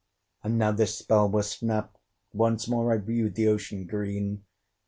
And now this spell was snapt: once more I viewed the ocean green.